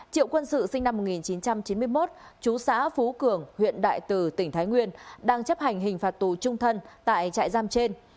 triệu quân sự sinh năm một nghìn chín trăm chín mươi một chú xã phú cường huyện đại từ tỉnh thái nguyên đang chấp hành hình phạt tù trung thân tại trại giam trên